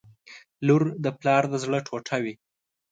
• لور د پلار د زړه ټوټه وي.